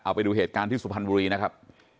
เอาไปดูเหตุการณ์ที่สุพรรณบุรีนะครับ